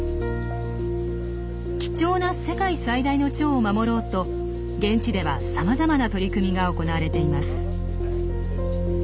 貴重な世界最大のチョウを守ろうと現地ではさまざまな取り組みが行われています。